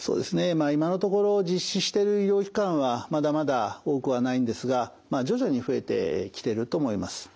まあ今のところ実施している医療機関はまだまだ多くはないんですがまあ徐々に増えてきてると思います。